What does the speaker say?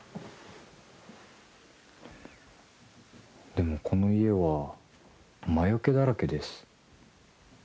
「でもこの家は魔よけだらけです」